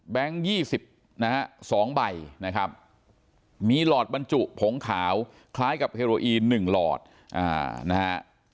แบงค์ยี่สิบนะฮะสองใบนะครับมีหลอดบรรจุผงขาวคล้ายกับเฮโรอีนหนึ่งหลอดอ่านะฮะ